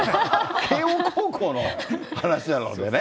慶応高校の話なのでね。